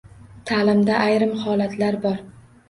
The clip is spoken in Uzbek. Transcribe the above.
Ta’limda ayrim holatlar bor.